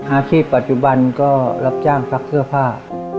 อาชีพปัจจุบันก็รับจ้างซักเสื้อผ้า